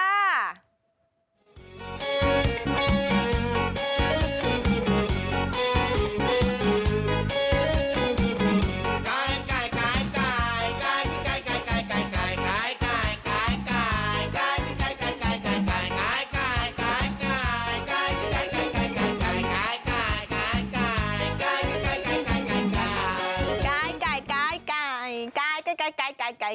ไก่